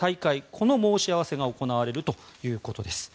この申し合わせが行われるということです。